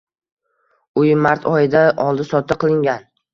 Uy mart oyida oldi-sotdi qilingan.